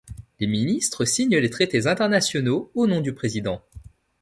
Les ministres signent les traités internationaux au nom du président.